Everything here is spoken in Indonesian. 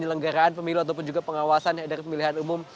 di lenggeraan pemilu ataupun juga pengawasan dari pemilihan umum